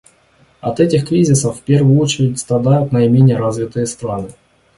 От этих кризисов в первую очередь страдают наименее развитые страны.